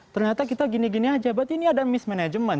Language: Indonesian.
ternyata kita gini gini aja berarti ini ada mismanagement